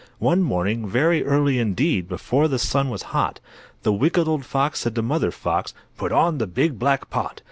One morning, very early indeed, Before the sun was hot, The Wicked Old Fox said to Mother Fox, "Put on the big black pot.